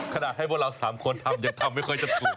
ให้พวกเรา๓คนทำยังทำไม่ค่อยจะถูก